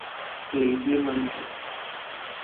Clevelândia